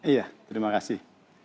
iya terima kasih